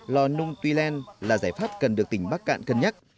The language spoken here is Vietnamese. lò nung tuy lan là giải pháp cần được tỉnh bắc cạn cân nhắc